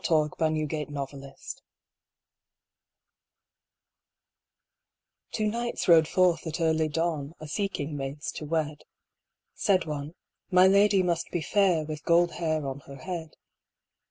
A Ballad of Two Knights Two knights rode forth at early dawn A seeking maids to wed, Said one, "My lady must be fair, With gold hair on her head."